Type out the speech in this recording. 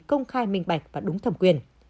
công khai minh bạch và đúng thẩm quyền